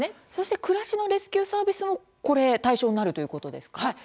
くらしのレスキューサービスも対象になるということですか。